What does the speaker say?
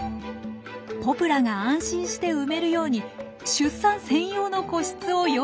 ポプラが安心して産めるように出産専用の個室を用意したんです。